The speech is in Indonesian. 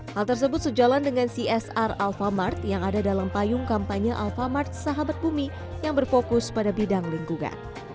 hal tersebut sejalan dengan csr alphamart yang ada dalam payung kampanye alphamart sahabat bumi yang berfokus pada bidang lingkungan